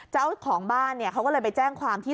เจ้าของบ้านเนี่ยเขาก็เลยไปแจ้งความที่